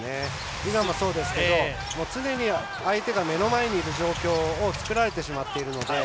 今もそうですけど、常に相手が目の前にいる状況を作られてしまっているので。